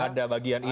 ada bagian ini